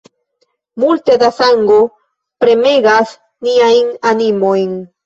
Multe da sango premegas niajn animojn.